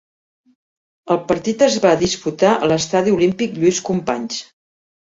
El partit es va disputar a l'Estadi Olímpic Lluís Companys.